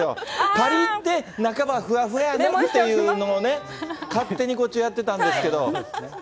ぱりって、中はふわふわやねっていうのを勝手にこっちはやってたんですけど。